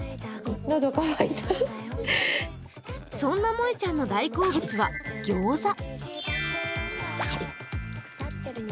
そんなもえちゃんの大好物はギョーザ。